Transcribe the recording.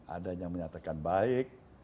ada yang menyatakan baik